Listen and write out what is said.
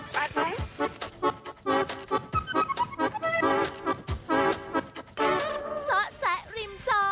โปรดติดตามตอนต่อไป